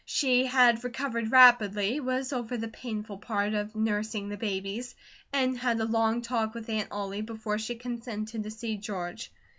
She had recovered rapidly, was over the painful part of nursing the babies, and had a long talk with Aunt Ollie, before she consented to see George.